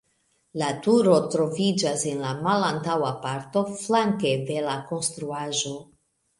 La turo troviĝas en la malantaŭa parto flanke de la konstruaĵo.